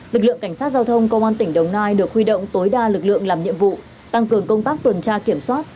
lực lượng cảnh sát giao thông công an tỉnh đồng nai được huy động tối đa lực lượng làm nhiệm vụ tăng cường công tác tuần tra kiểm soát